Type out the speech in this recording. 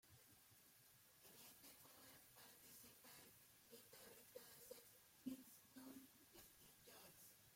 En este cover participa el guitarrista de Sex Pistols Steve Jones.